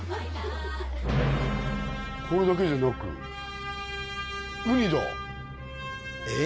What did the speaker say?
これだけじゃなくウニだえっ？